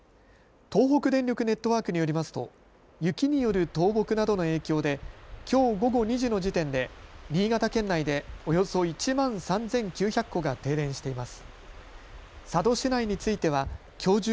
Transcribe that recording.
東北電力ネットワークによりますと雪による倒木などの影響できょう午後２時の時点で新潟県内でおよそ１万３９００戸が停電しています。